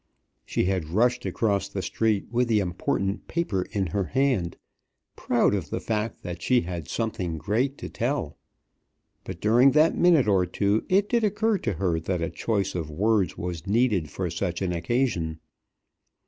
She had rushed across the street with the important paper in her hand, proud of the fact that she had something great to tell. But during that minute or two it did occur to her that a choice of words was needed for such an occasion.